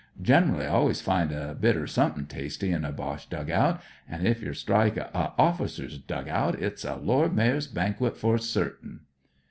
Gen'rally always find a bit ep suthin* tasty in a Boche dug out, an' if yer strike a orficep's dug out it's a Lord Mayor's banquit fer certin."